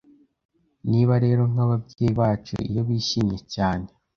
Niba rero nk'ababyeyi bacu iyo bishimye cyane,